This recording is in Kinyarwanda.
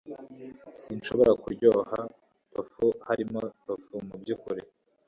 sinshobora kuryoha tofu. harimo tofu mubyukuri